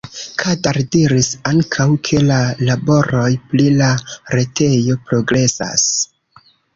Kadar diris ankaŭ, ke la laboroj pri la retejo progresas.